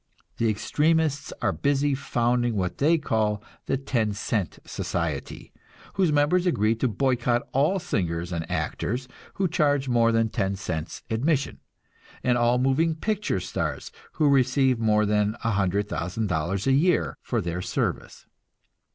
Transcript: The extremists are busy founding what they call the Ten cent Society, whose members agree to boycott all singers and actors who charge more than ten cents admission, and all moving picture stars who receive more than a hundred thousand dollars a year for their service.